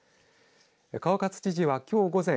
川勝知事はきょう午前